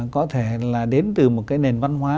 có thể là đến từ một cái nền văn hóa